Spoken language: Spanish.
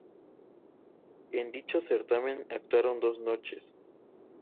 En dicho certamen actuaron dos noches.